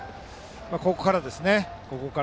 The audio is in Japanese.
ここからですね。